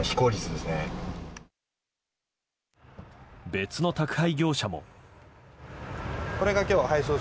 別の宅配業者も。